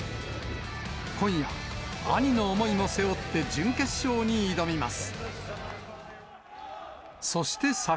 今夜、兄の思いも背負って準決勝に挑みます。